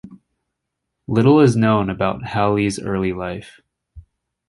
Little is known about Howley's early life.